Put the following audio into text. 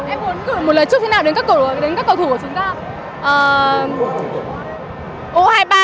em muốn gửi một lời chúc thế nào đến các cầu thủ của chúng ta